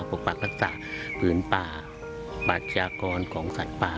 ปกปักรักษาผืนป่าประชากรของสัตว์ป่า